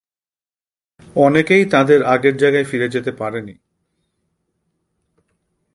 অনেকেই তাদের আগের জায়গায় ফিরে যেতে পারেনি।